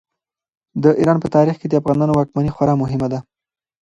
د ایران په تاریخ کې د افغانانو واکمني خورا مهمه ده.